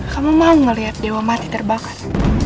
kamu mau melihat dewa mati terbakar